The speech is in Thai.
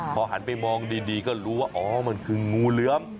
พอหันไปมองดีก็รู้ว่าอ๋อมันคืองูเหลือม